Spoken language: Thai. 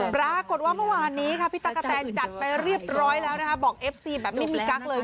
ปรากฏว่าเมื่อวานนี้ค่ะพี่ตั๊กกะแตนจัดไปเรียบร้อยแล้วนะคะบอกเอฟซีแบบไม่มีกั๊กเลย